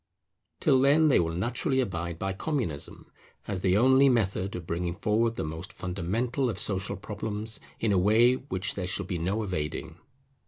Till then they will naturally abide by Communism, as the only method of bringing forward the most fundamental of social problems in a way which there shall be no evading.